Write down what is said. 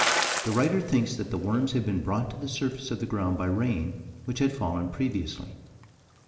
The writer thinks that the worms had been brought to the surface of the ground by rain, which had fallen previously.